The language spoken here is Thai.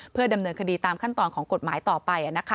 เพื่อดำเนินคดีตามขั้นตอนของกฎหมายต่อไป